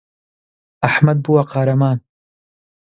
ئەحمەد بووە قارەمان.